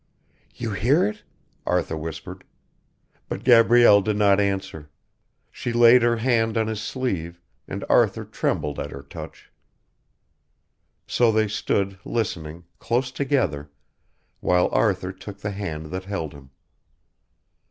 "You hear it?" Arthur whispered; but Gabrielle did not answer; she laid her hand on his sleeve and Arthur trembled at her touch. So they stood listening, close together, while Arthur took the hand that held him.